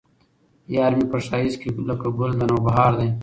يار مې په ښايست کې لکه ګل د نوبهار دى